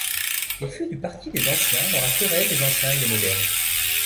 Il fut du parti des Anciens dans la querelle des Anciens et des Modernes.